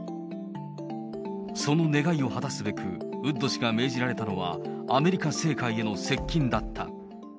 その願いを果たすべく、ウッド氏が命じられたのは、アメリカ政界への接近だった。